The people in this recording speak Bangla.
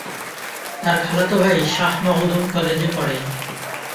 তার খালাতো ভাই শাহ মখদুম কলেজে পড়ে।